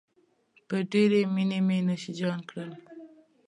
په ډېرې مينې مې نوشیجان کړل.